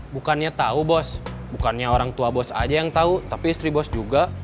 bukannya tahu bos bukannya orang tua bos aja yang tahu tapi istri bos juga